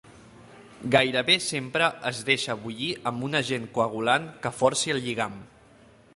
Gairebé sempre es deixa bullir amb un agent coagulant que forci el lligam.